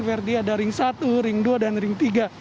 verdi ada ring satu ring dua dan ring tiga